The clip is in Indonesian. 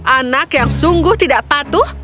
anak yang sungguh tidak patuh